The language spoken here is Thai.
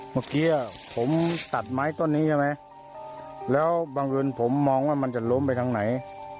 เมื่อกี้ผมตัดไม้ต้นนี้ใช่ไหมแล้วบังเอิญผมมองว่ามันจะล้มไปทางไหน